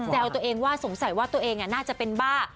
ตัวเองว่าสงสัยว่าตัวเองน่าจะเป็นบ้า